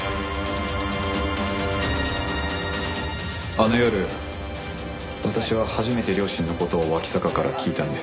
あの夜私は初めて両親の事を脇坂から聞いたんです。